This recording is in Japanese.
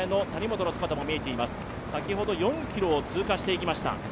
先ほど４ｋｍを通過していきました。